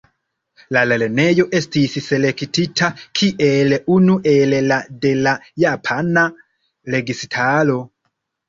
La lernejo estis selektita kiel unu el la de la japana registaro.